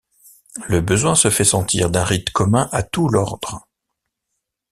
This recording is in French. Le besoin se fait sentir d’un rite commun à tout l’ordre.